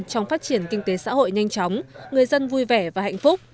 trong phát triển kinh tế xã hội nhanh chóng người dân vui vẻ và hạnh phúc